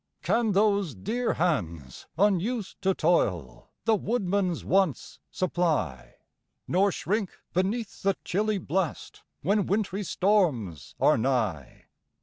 Can those dear hands, unused to toil, The woodman's wants supply, Nor shrink beneath the chilly blast When wintry storms are nigh?